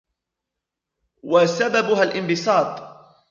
وَسَبَبُهَا الِانْبِسَاطُ